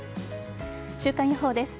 週間予報です。